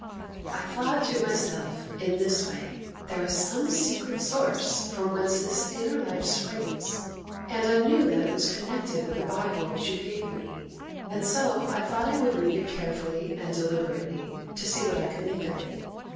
'I thought to myself in this way, "There is some secret source from whence this inner life springs;" and I knew that it was connected with the Bible which you gave me, and so I thought I would read it carefully and deliberately, to see what I could make of it.